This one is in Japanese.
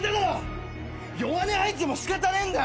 弱音吐いてても仕方ねえんだよ！